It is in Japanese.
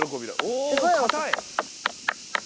おかたい！